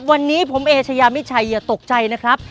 วันนี้ผมเอเชยามิชัยอย่าตกใจนะครับ